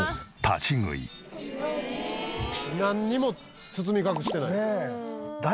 なんにも包み隠してない。